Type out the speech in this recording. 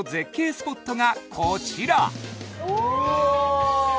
スポットがこちらおお！